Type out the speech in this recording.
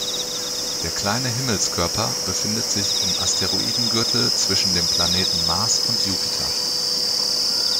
Der kleine Himmelskörper befindet sich im Asteroidengürtel zwischen den Planeten Mars und Jupiter.